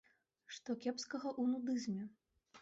Што кепскага ў нудызме?